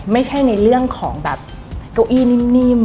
ไม่ใช่ในเรื่องของเก้าอี้นิ่ม